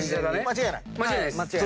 間違いないです。